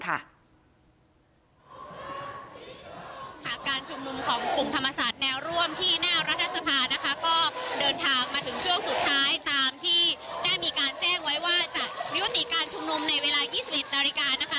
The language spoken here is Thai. การชุมนุมของกลุ่มธรรมศาสตร์แนวร่วมที่หน้ารัฐสภานะคะก็เดินทางมาถึงช่วงสุดท้ายตามที่ได้มีการแจ้งไว้ว่าจะยุติการชุมนุมในเวลา๒๑นาฬิกานะคะ